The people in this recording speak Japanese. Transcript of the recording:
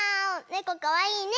ねこかわいいね！